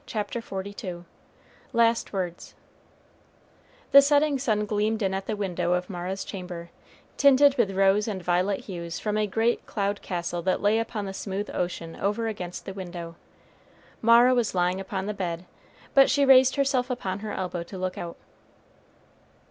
CHAPTER XLII LAST WORDS The setting sun gleamed in at the window of Mara's chamber, tinted with rose and violet hues from a great cloud castle that lay upon the smooth ocean over against the window. Mara was lying upon the bed, but she raised herself upon her elbow to look out.